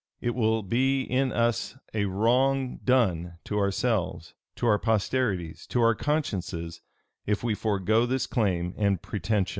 It will in us be a wrong done to ourselves, to our posterities, to our consciences, if we forego this claim and pretension."